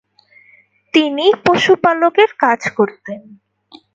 তিনি পশুপালকের কাজ করতেন।